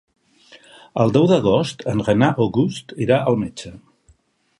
El deu d'agost en Renat August irà al metge.